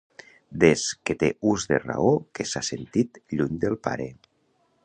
Des que té ús de raó que s'ha sentit lluny del pare.